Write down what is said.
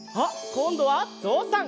こんどはぞうさん！